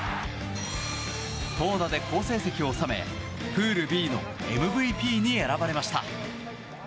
投打で好成績を収め、プールＢのＭＶＰに選ばれました。